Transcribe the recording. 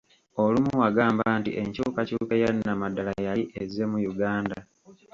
Olumu wagamba nti enkyukakyuka eyannamaddala yali ezze mu Uganda.